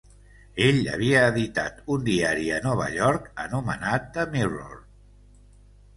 Ell havia editat un diari a Nova York anomenat "The Mirror".